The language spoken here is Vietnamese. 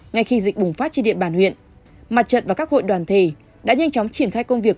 ngay khi dịch bùng phát trên địa bàn huyện mặt trận và các hội đoàn thể đã nhanh chóng triển khai công việc